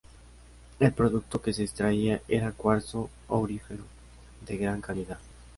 El producto que se extraía era cuarzo aurífero, de gran calidad.